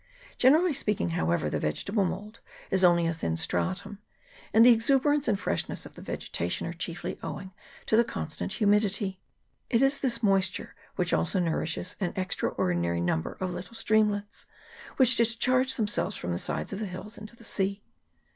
Generally speaking, however, the vegetable mould is only a thin stratum, and the exuberance and freshness of the vegetation are chiefly owing to the constant humidity. It is this moisture which also nourishes an extra ordinary number of little streamlets, which discharge themselves from the sides of the hills into the sea.